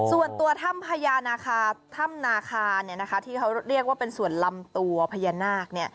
ส่วนตัวถ้ำนาคาที่เขาเรียกว่าเป็นส่วนลำตัวพญานาค